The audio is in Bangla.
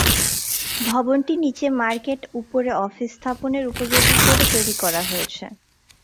ভবনটি নিচে মার্কেট উপরে অফিস স্থাপনের উপযোগী করে তৈরি করা হয়েছে।